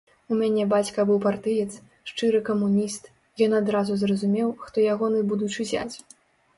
У мяне бацька быў партыец, шчыры камуніст, ён адразу зразумеў, хто ягоны будучы зяць.